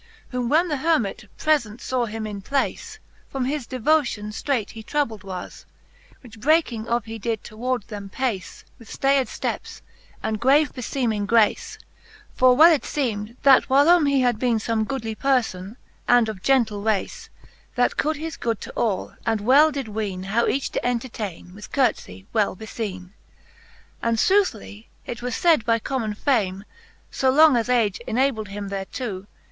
Whom when the Hermite prefent faw in place, From his devotion ftreight he troubled was ; Which breaking ofF he toward them did pace. With ftayed fteps, and grave befeeming grace: For well it feem'd, that whilome he had beene Soome goodly perfon, and of gentle race, That could his good to all, and well did weene. How each to entertaine with curt'fie well befeene. XXXVII. And foothly it was fayd by common fame. So long as age enabled him thereto.